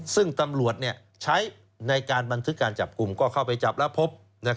ซึ่งตำรวจใช้ในการบันทึกการจับกลุ่มก็เข้าไปจับแล้วพบ